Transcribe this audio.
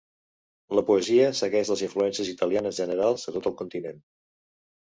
La poesia segueix les influències italianes generals a tot el continent.